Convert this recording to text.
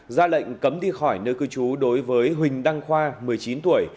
ra lệnh cấm đi khỏi nơi cư trú đối với huỳnh đăng khoa một mươi chín tuổi